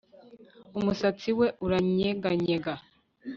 Umusatsi we uranyeganyega